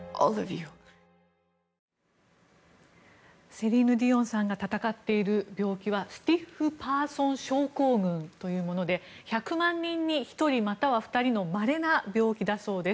セリーヌ・ディオンさんが闘っている病気はスティッフパーソン症候群というもので１００万人に１人または２人のまれな病気だそうです。